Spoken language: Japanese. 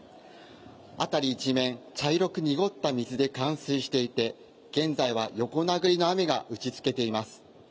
辺り一面、茶色く濁った水で冠水していて現在は横殴りの雨が打ちつけています。